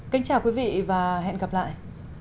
kính chào quý vị và hẹn gặp lại